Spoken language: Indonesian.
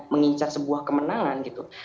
mengincar sebuah kemenangan gitu